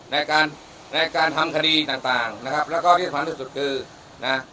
ในการในการทำคดีต่างต่างนะครับแล้วก็ที่สำคัญที่สุดคือนะ